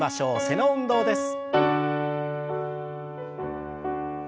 背の運動です。